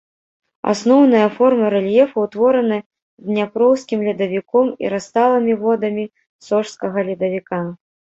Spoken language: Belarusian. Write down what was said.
Асноўныя формы рэльефу ўтвораны дняпроўскім ледавіком і расталымі водамі сожскага ледавіка.